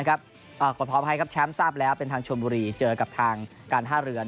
กลับพร้อมให้แชมป์ท่านชวนบุรีเจอกับทางการท่าเรือ